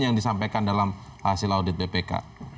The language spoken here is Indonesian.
yang disampaikan dalam hasil audit bpk